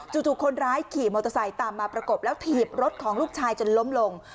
ถูกคนร้ายขี่มอเตอร์ไซค์ตามมาประกบแล้วถีบรถของลูกชายจนล้มลง